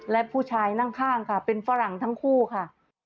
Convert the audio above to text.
และผู้ชายนั่งข้างค่ะเป็นฝรั่งทั้งคู่ค่ะ